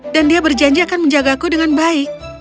dan dia berjanji akan menjagaku dengan baik